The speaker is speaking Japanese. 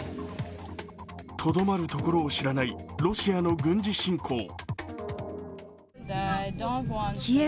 とどまるところを知らないロシアの軍事侵攻。